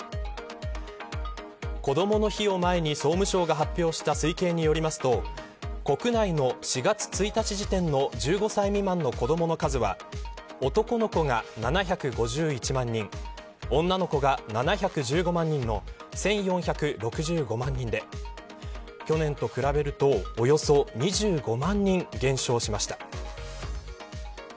こどもの日を前に総務省が発表した推計によりますと国内の４月１日時点の１５歳未満の子どもの数は男の子が７５１万人女の子が７１５万人の１４６５万人で去年と比べるとおよそ２５万人減少しました。